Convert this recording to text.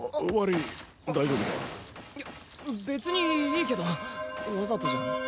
いや別にいいけどわざとじゃないし。